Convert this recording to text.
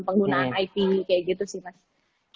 penggunaan ip kayak gitu sih mas